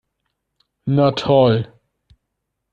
Na toll!